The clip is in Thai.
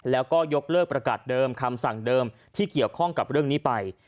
แล้วก็ยกเลิกประกาศเดิมคำสั่งเดิมที่เกี่ยวข้องกับเรื่องนี้ไป